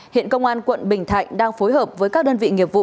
hiện công an quận bình thạnh đang phối hợp với các đơn vị nghiệp vụ